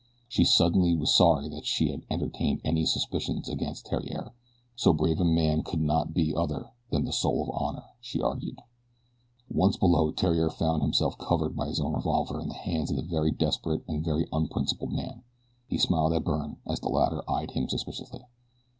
She suddenly was sorry that she had entertained any suspicions against Theriere so brave a man could not be other than the soul of honor, she argued. Once below Theriere found himself covered by his own revolver in the hands of a very desperate and a very unprincipled man. He smiled at Byrne as the latter eyed him suspiciously.